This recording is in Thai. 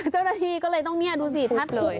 เจ้าหน้าที่ก็เลยต้องเนี่ยดูสิทัดคุย